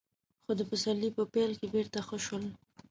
خو د پسرلي په پيل کې بېرته ښه شول.